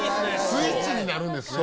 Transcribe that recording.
スイッチになるんですね。